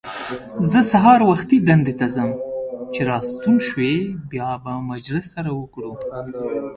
زه سهار وختي دندې ته ځم، چې راستون شوې بیا به مجلس سره وکړو.